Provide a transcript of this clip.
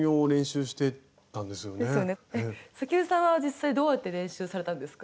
関根さんは実際どうやって練習されたんですか？